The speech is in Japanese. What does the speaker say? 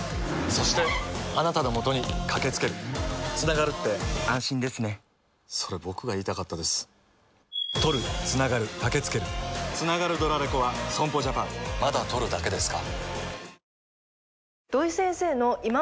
そして、あなたのもとにかけつけるつながるって安心ですねそれ、僕が言いたかったですつながるドラレコは損保ジャパンまだ録るだけですか？